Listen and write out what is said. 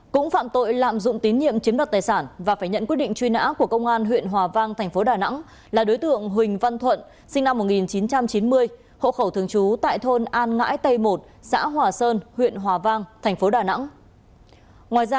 cũng phạm tội lạm dụng tín nhiệm chiếm đoạt tài sản và phải nhận quyết định truy nã của công an huyện hòa vang thành phố đà nẵng là đối tượng huỳnh văn thuận sinh năm một nghìn chín trăm chín mươi hộ khẩu thường trú tại thôn an ngãi tây một xã hòa sơn huyện hòa vang thành phố đà nẵng